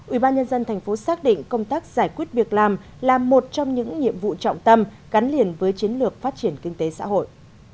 ủy ban nhân dân tp xác định công tác giải quyết việc làm là một trong những nhiệm vụ trọng tâm gắn liền với chiến lược phát triển kinh tế xã hội